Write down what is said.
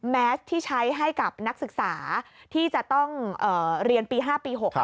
แมสที่ใช้ให้กับนักศึกษาที่จะต้องเรียนปี๕ปี๖